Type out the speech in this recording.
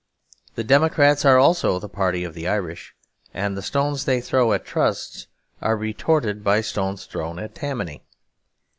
The Democrats are also the party of the Irish; and the stones they throw at Trusts are retorted by stones thrown at Tammany.